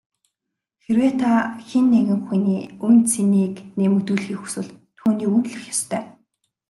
Хэрвээ та хэн нэгэн хүний үнэ цэнийг нэмэгдүүлэхийг хүсвэл түүнийг үнэлэх ёстой.